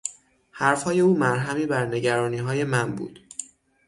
حرفهای او مرهمی بر نگرانیهای من بود.